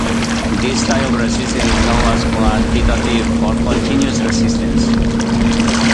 This type of resistance is known as quantitative or continuous resistance.